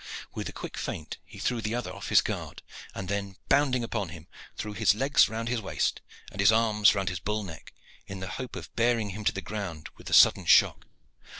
With a quick feint he threw the other off his guard, and then, bounding upon him, threw his legs round his waist and his arms round his bull neck, in the hope of bearing him to the ground with the sudden shock.